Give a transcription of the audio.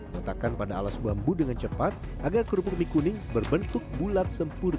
letakkan pada alas bambu dengan cepat agar kurupuk mie kuning berbentuk bulat sempurna